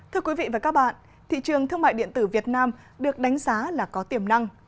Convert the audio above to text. thưa quý vị và các bạn thị trường thương mại điện tử việt nam được đánh giá là có tiềm năng